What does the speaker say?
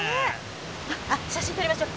あっ写真撮りましょう。